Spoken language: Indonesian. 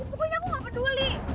pokoknya aku gak peduli